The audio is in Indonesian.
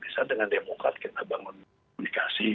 misalnya dengan demokrat kita bangun komunikasi